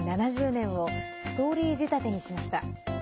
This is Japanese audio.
７０年をストーリー仕立てにしました。